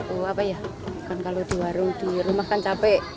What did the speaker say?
oh apa ya kan kalau di warung di rumah kan capek